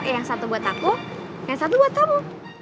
yang satu buat aku yang satu buat kamu